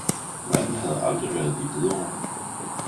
Manden havde aldrig været i Hvidovre